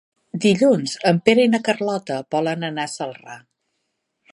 Dilluns en Pere i na Carlota volen anar a Celrà.